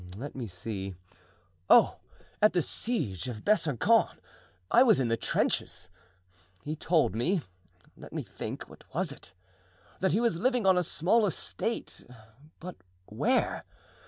Let me see. Oh! at the siege of Besancon I was in the trenches. He told me—let me think—what was it? That he was living on a small estate—but where?